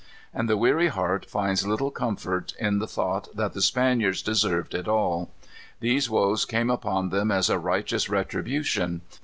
And the weary heart finds little comfort in the thought that the Spaniards deserved it all. These woes came upon them as a righteous retribution.